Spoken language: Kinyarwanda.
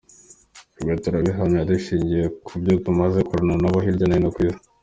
Ibi turabihamya dushingiye ku bo tumaze gukorana nabo hirya no hino ku isi.